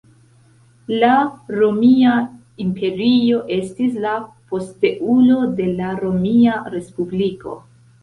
La romia imperio estis la posteulo de la Romia Respubliko.